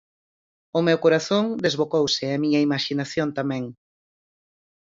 O meu corazón desbocouse e a miña imaxinación tamén.